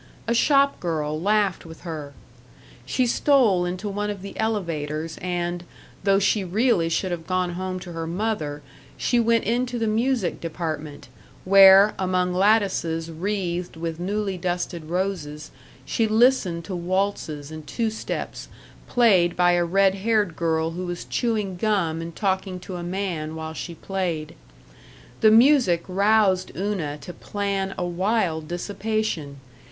A shop girl laughed with her. She stole into one of the elevators, and, though she really should have gone home to her mother, she went into the music department, where, among lattices wreathed with newly dusted roses, she listened to waltzes and two steps played by a red haired girl who was chewing gum and talking to a man while she played. The music roused Una to plan a wild dissipation.